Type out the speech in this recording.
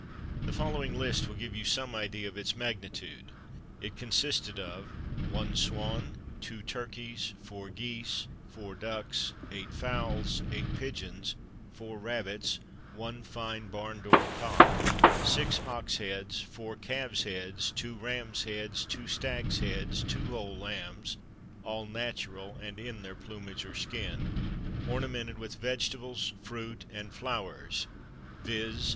The following list will give some idea of its magnitude: it consisted of One swan, two turkeys, four geese, four ducks, eight fowls, eight pigeons, four rabbits, one fine barn door cock, six ox heads, four calves' heads, two rams' heads, two stags' heads, two whole lambs all natural, and in their plumage or skin ornamented with vegetables, fruit, and flowers, viz.